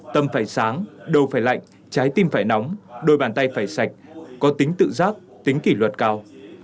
tâm phải sáng đầu phải lạnh trái tim phải nóng đôi bàn tay phải sạch có tính tự giác tính kỷ luật cao